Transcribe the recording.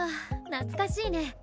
懐かしいね。